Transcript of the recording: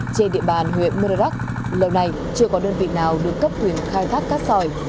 trên địa bàn huyện murdrak lâu nay chưa có đơn vị nào được cấp quyền khai thác cát sỏi